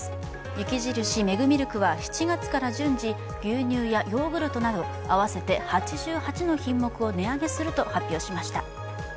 雪印メグミルクは７月から順次牛乳やヨーグルトなど合わせて８８の品目を値上げすると発表しました。